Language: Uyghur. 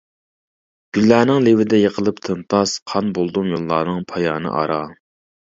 گۈللەرنىڭ لېۋىدە يىقىلىپ تىمتاس، قان بولدۇم يوللارنىڭ پايانى ئارا.